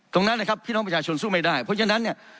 ตรงนั้นนะครับพี่น้องประชาชนสู้ไม่ได้เพราะฉะนั้นเนี่ย